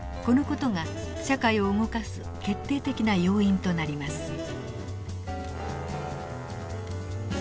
この事が社会を動かす決定的な要因となります。